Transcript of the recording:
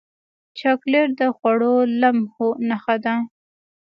چاکلېټ د خوږو لمحو نښه ده.